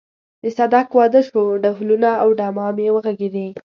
د صدک واده شو ډهلونه او ډمامې وغږېدې.